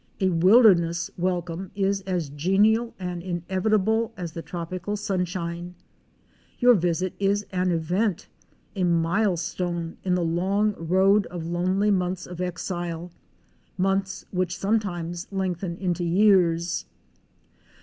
A wilderness welcome is as genial and inevitable as the tropical sunshine. Your visit is an event — a mile stone in the long road of lonely months of exile — months which sometimes lengthen into years.